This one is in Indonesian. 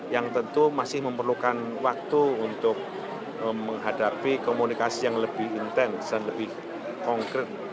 yang tentu masih memerlukan waktu untuk menghadapi komunikasi yang lebih intens dan lebih konkret